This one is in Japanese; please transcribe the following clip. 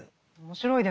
面白い。